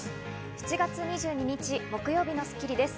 ７月２２日、木曜日の『スッキリ』です。